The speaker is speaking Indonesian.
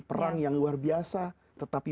perang yang luar biasa tetapi